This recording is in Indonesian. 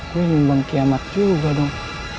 gua ingin membawa kiamat juga dong